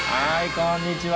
こんにちは。